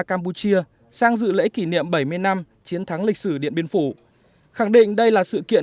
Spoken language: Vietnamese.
campuchia sang dự lễ kỷ niệm bảy mươi năm chiến thắng lịch sử điện biên phủ khẳng định đây là sự kiện